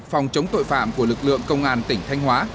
phòng chống tội phạm của lực lượng công an tỉnh thanh hóa